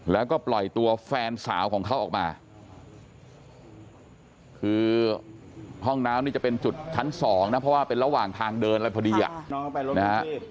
แล้วก็ปล่อยตัวแฟนสาวของเขาออกมาคือห้องน้ำนี่จะเป็นจุดชั้นสองนะเพราะว่าเป็นระหว่างทางเดินอะไรพอดีอ่ะนะฮะ